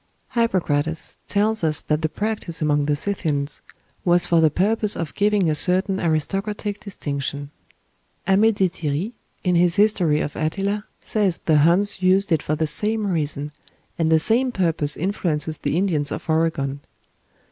Hippocrates tells us that the practice among the Scythians was for the purpose of giving a certain aristocratic distinction. HEADS FROM PALENQUE. Amedée Thierry, in his "History of Attila," says the Huns used it for the same reason; and the same purpose influences the Indians of Oregon.